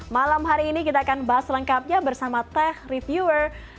malam hari ini kita akan bahas lengkapnya bersama teh reviewer